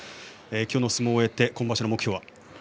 今日の相撲を終えて今場所の目標は？